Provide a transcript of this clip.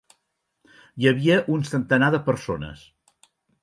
Hi havia un centenar de persones.